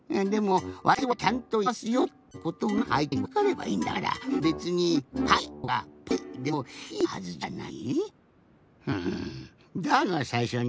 でもわたしはちゃんといますよってことがあいてにわかればいいんだからべつにでもいいはずじゃない？